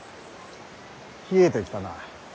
冷えてきたな。